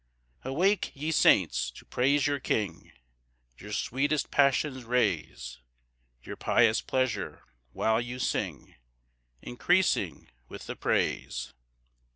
1 Awake, ye saints; to praise your King, Your sweetest passions raise, Your pious pleasure, while you sing, Increasing with the praise.